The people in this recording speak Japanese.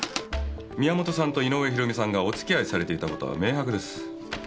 宮本さんと井上博美さんがおつきあいされていたことは明白です。